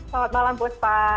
selamat malam puspa